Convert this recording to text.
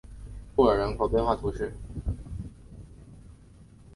布尔人口变化图示